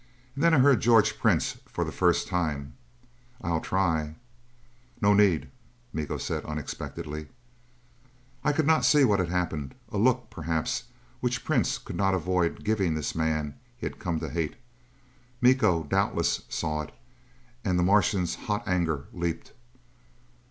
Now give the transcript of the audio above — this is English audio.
And then I heard George Prince for the first time, "I'll try." "No need," Miko said unexpectedly. I could not see what had happened. A look, perhaps, which Prince could not avoid giving this man he had come to hate. Miko doubtless saw it, and the Martian's hot anger leaped.